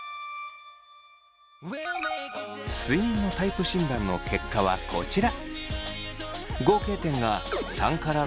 睡眠のタイプ診断の結果はこちら！